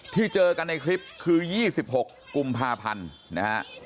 เจอกันในคลิปคือ๒๖กุมภาพันธ์นะฮะ